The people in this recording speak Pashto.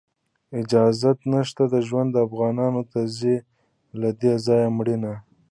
اجازت نشته د ژوند، افغانانو ته ځي له دې ځایه مړینه